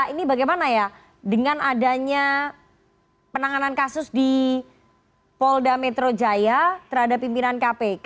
ini bagaimana ya dengan adanya penanganan kasus di polda metro jaya terhadap pimpinan kpk